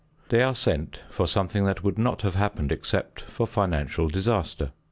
They are sent for something that would not have happened except for financial disaster.